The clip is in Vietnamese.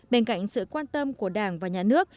bên cạnh sự quan tâm của đảng và nhà nước